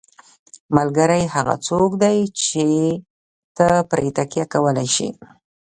ملګری هغه څوک دی چې ته پرې تکیه کولی شې.